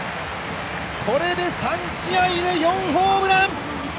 これで３試合で４ホームラン。